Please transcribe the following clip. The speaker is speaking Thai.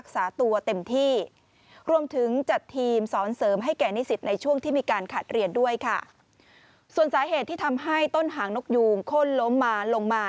ส่วนสาเหตุที่ทำให้ต้นหางนกยูงข้นล้มมาลงมา